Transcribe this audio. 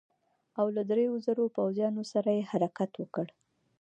او له دریو زرو پوځیانو سره یې حرکت وکړ.